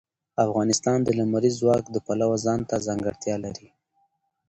افغانستان د لمریز ځواک د پلوه ځانته ځانګړتیا لري.